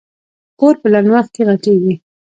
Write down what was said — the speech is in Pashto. کور په لنډ وخت کې غټېږي.